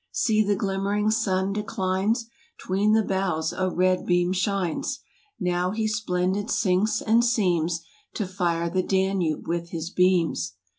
See the glimmering sun declines, 'Tween the boughs a red beam shines ? Now he splendid sinks, and seems To fire the Danube with his beams.